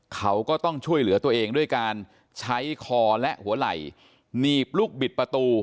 เขาก็ต้องช่วยเหลือตัวเองด้วยการใช้คอและหัวไหลหนีบลูกบิดประตู